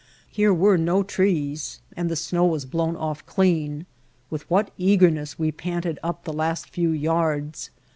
Here were no trees and the snow was blown off clean. With what eagerness we panted up the last few yards!